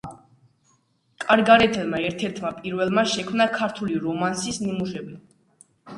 კარგარეთელმა ერთ-ერთმა პირველმა შექმნა ქართული რომანსის ნიმუშები.